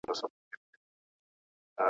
که دا وطن وای د مېړنیو !.